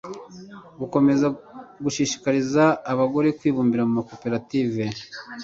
gukomeza gushishikariza abagore kwibumbira mu makoperative